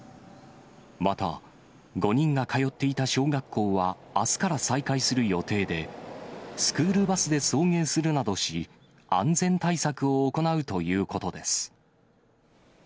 また５人が通っていた小学校はあすから再開する予定で、スクールバスで送迎するなどし、安全対策を行うということです。